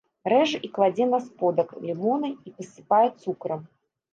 Рэжа і кладзе на сподак лімоны і пасыпае цукрам.